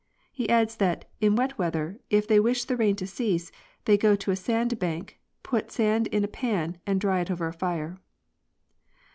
He adds that 'In wet weather, if they wish the rain to cease, they go to a sand bank, put sand in a pan, and dry it over a fire."